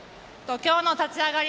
今日の立ち上がり